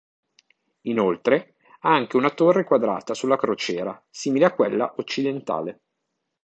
Inoltre, ha anche una torre quadrata sulla crociera, simile a quella occidentale.